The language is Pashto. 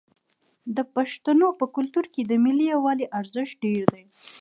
د پښتنو په کلتور کې د ملي یووالي ارزښت ډیر دی.